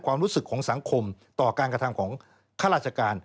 ความรู้สึกของสังคมต่อการกระทำของข้าราชการ